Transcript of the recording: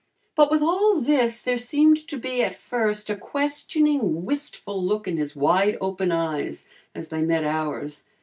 But with all this, there seemed to be at first a questioning, wistful look in his wide open eyes as they met ours.